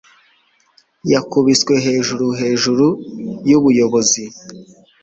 Yakubiswe hejuru hejuru yubuyobozi.